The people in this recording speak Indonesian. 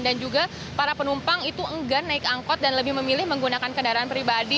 dan juga para penumpang itu enggan naik angkot dan lebih memilih menggunakan kendaraan pribadi